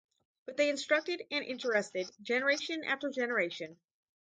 But they instructed and interested, generation after generation.